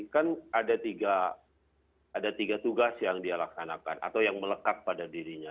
kan ada tiga tugas yang dia laksanakan atau yang melekat pada dirinya